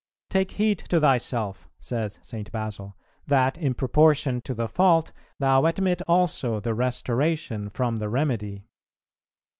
"Take heed to thyself," says St. Basil, "that, in proportion to the fault, thou admit also the restoration from the remedy."